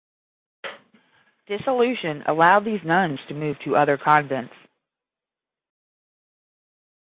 Dissolution allowed these nuns to move to other convents.